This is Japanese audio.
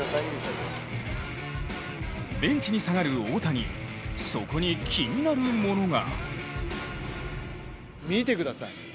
ベンチに下がる大谷、そこに気になるものが。